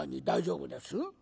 大丈夫です？